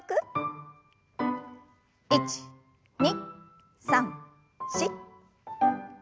１２３４。